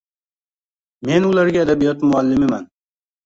Men ularga adabiyot muallimiman.